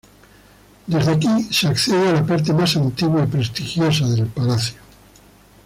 Desde aquí se accede a la parte más antigua y prestigiosa del palacio.